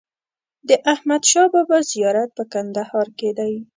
د احمدشاه بابا زیارت په کندهار کې دی.